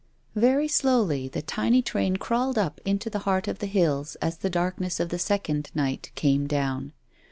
Very slowly the tiny train crawled up into the heart of the hills as the darkness of the second night came down.